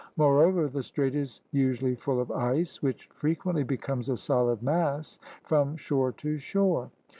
Moreover the Strait is usually full of ice, which frequently becomes a solid mass from shore to shore.